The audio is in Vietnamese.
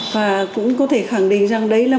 và cũng có thể khẳng định rằng đấy là